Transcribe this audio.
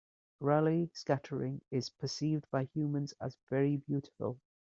Raleigh scattering is perceived by humans as very beautiful.